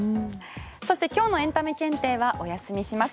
そして今日のエンタメ検定はお休みします。